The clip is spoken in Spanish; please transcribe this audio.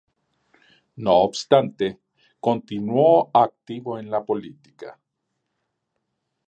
No obstante, continuó activo en la política.